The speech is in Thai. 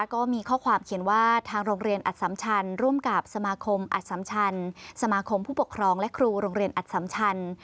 ก็มีข้อความเขียนว่าทางโรงเรียนอัดสำชันร่วมกับสมาคมอัดสัมชันสมาคมผู้ปกครองและครูโรงเรียนอัดสำชัน